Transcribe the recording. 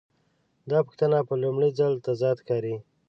دا پوښتنه په لومړي ځل تضاد ښکاري.